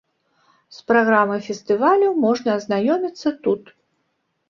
З праграмай фестывалю можна азнаёміцца тут.